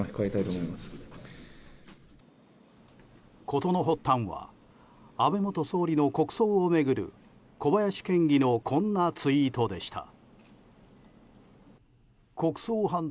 事の発端は安倍元総理の国葬を巡る小林県議のこんなツイートでした。